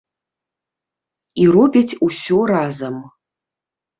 І робяць усё разам.